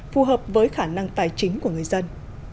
phù hợp với khả năng tài chính của người dân